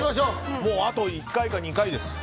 あと１回か２回です。